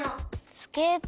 スケート？